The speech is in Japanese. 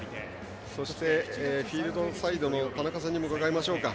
そしてフィールドサイドの田中さんにも伺いましょうか。